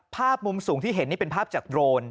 ภาพมุมสูงที่เห็นนี่เป็นภาพจากโรน